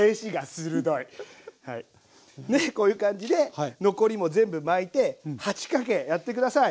こういう感じで残りも全部巻いて８かけやって下さい。